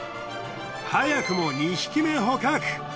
早くも２匹目捕獲。